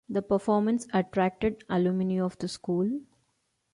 The performance attracted alumni of the school.